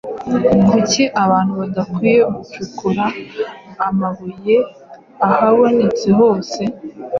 Kuki abantu badakwiye gucukura amabuye ahabonetse hose?